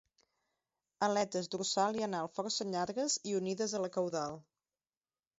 Aletes dorsal i anal força llargues i unides a la caudal.